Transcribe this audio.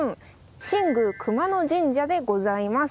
新宮熊野神社でございます。